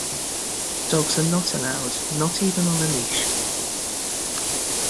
Dogs are not allowed, not even on a leash.